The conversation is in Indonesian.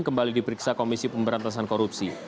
kembali diperiksa komisi pemberantasan korupsi